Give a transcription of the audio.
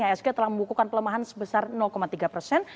ihsg telah membukukan pelemahan sebesar tiga persen